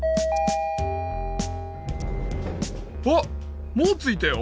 あっもうついたよ。